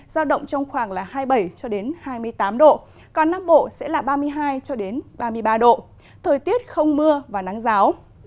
giao động trong khoảng hai mươi bảy cho đến hai mươi tám độ còn nam bộ sẽ là ba mươi hai ba mươi ba độ thời tiết không mưa và nắng giáo